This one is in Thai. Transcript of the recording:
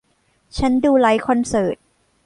ฉันดูไลฟ์คอนเสิร์ต